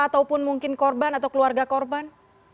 ataupun mungkin korban atau keluarga korban